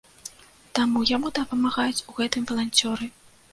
Таму яму дапамагаюць у гэтым валанцёры.